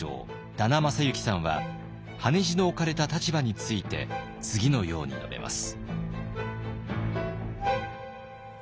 田名真之さんは羽地の置かれた立場について次のように述べます。